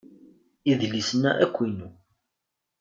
Idlisen-a akk inu.